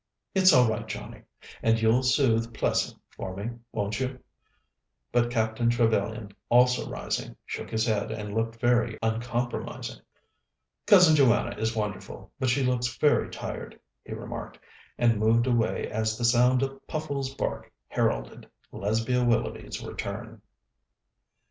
"It's all right, Johnnie. And you'll soothe Plessing for me, won't you?" But Captain Trevellyan, also rising, shook his head and looked very uncompromising. "Cousin Joanna is wonderful, but she looks very tired," he remarked, and moved away as the sound of Puffles's bark heralded Lesbia Willoughby's return.